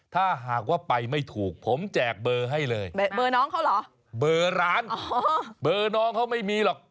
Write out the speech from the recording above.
มีเพลงอีกแล้วเอามามาสิ